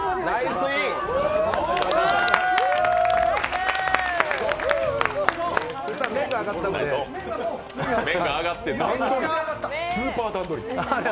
スーパー段取り。